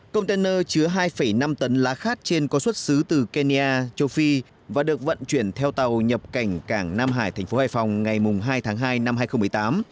container chứa hai năm tấn lá khát trên có xuất xứ từ kenya châu phi và được vận chuyển theo tàu nhập cảnh cảng nam hải thành phố hải phòng ngày hai tháng hai năm hai nghìn một mươi tám